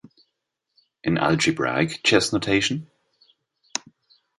In algebraic chess notation, ?